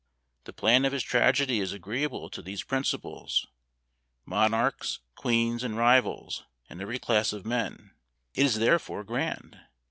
The plan of his tragedy is agreeable to these principles: Monarchs, Queens, and Rivals, and every class of men; it is therefore grand!